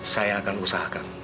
saya akan usahakan